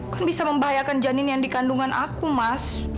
kan bisa membahayakan janin yang dikandungan aku mas